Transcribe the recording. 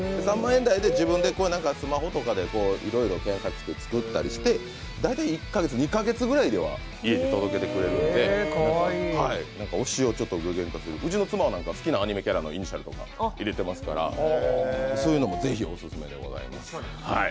自分でスマホとかでいろいろ検索して作ったりして大体２カ月ぐらいで家に届けてくれるんで推しを具現化する、うちの妻なんか好きなアニメキャラのイニシャルなんか入れてますからそういうのも、是非、オススメでございます。